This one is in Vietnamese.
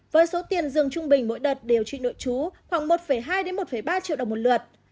với số tiền dường trung bình mỗi đợt điều trị nội trú khoảng một hai một ba triệu đồng một lượt